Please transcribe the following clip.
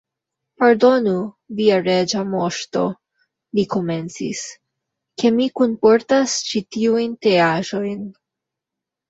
"Pardonu, via Reĝa Moŝto," li komencis, "ke mi kunportas ĉi tiujn teaĵojn.